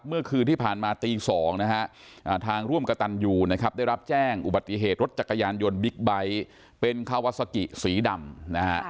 เมื่อคืนที่ผ่านมาตี๒ทางร่วมกระตันอยู่ได้รับแจ้งอุบัติเหตุรถจักรยานยนต์บิ๊กไบท์เป็นเขาวัสกิสีดำ